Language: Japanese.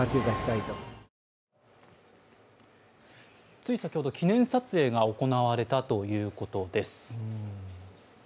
つい先ほど記念撮影が行われたということです。